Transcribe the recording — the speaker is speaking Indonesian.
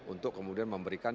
untuk kemudian memberikan